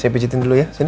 saya pijetin dulu ya sini